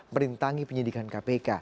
merintangi penyidikan kpk